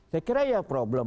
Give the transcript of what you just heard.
saya kira ya problem